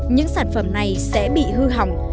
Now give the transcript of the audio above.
những sản phẩm này sẽ bị hư hỏng